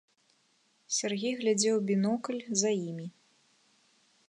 Сяргей глядзеў у бінокль за імі.